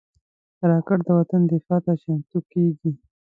راکټ د وطن دفاع ته چمتو کېږي